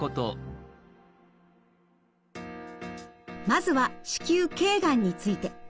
まずは子宮頸がんについて。